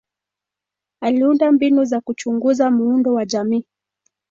Aliunda mbinu za kuchunguza muundo wa jamii.